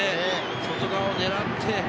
外側を狙って。